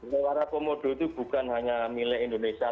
keluarga komodo itu bukan hanya milih indonesia